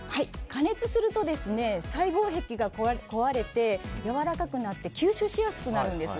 加熱すると細胞壁が壊れてやわらかくなって吸収しやすくなるんです。